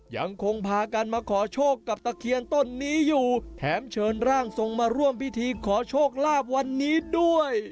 ยังคงพากันมาขอโชคกับตะเคียนต้นนี้อยู่แถมเชิญร่างทรงมาร่วมพิธีขอโชคลาภวันนี้ด้วย